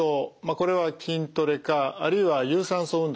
これは筋トレかあるいは有酸素運動ですね。